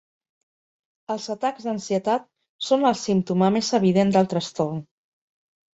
Els atacs d'ansietat són el símptoma més evident del trastorn.